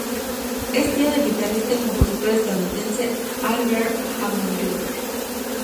Es tía del guitarrista y compositor estadounidense Albert Hammond Jr.